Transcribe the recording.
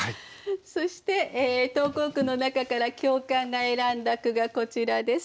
そして投稿句の中から教官が選んだ句がこちらです。